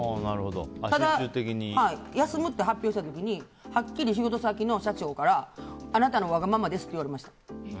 ただ、休むって発表した時にはっきり仕事先の社長からあなたのわがままですって言われました。